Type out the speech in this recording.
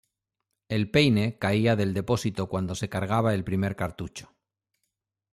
El peine caía del depósito cuando se cargaba el primer cartucho.